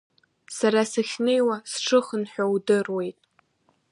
Сара сахьнеиуа сшыхынҳәо удыруеит…